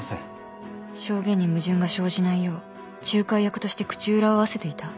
証言に矛盾が生じないよう仲介役として口裏を合わせていた？